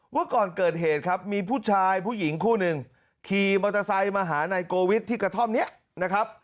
ว่าก่อนเกิดเหตุครับมีผู้ชายผู้หญิงคู่หนึ่งขี่มอเตอร์ไซค์มาหานายโกวิทที่กระท่อมนี้นะครับ